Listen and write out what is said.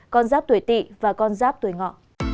con giáp tuổi tị và con giáp tuổi ngọ